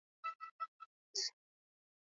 Na asilimia ishirini na moja kwa mafuta ya taa.